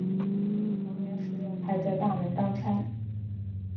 同年十月派在大门当差。